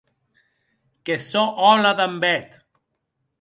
Que sò hòla damb eth.